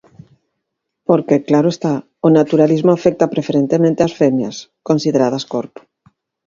Porque, claro está, o naturalismo afecta preferentemente ás femias, consideradas corpo.